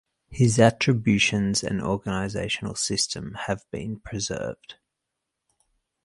His attributions and organizational system have been preserved.